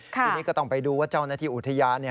ทีนี้ก็ต้องไปดูว่าเจ้าหน้าที่อุทยาน